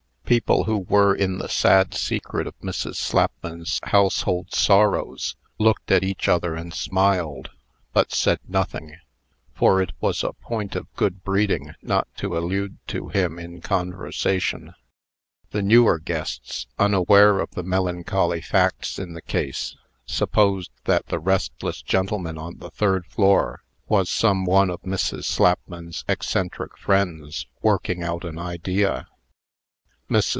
People who were in the sad secret of Mrs. Slapman's household sorrows, looked at each other and smiled, but said nothing; for it was a point of good breeding not to allude to him in conversation. The newer guests, unaware of the melancholy facts in the case, supposed that the restless gentleman on the third floor was some one of Mrs. Slapman's eccentric friends, working out an idea. Mrs.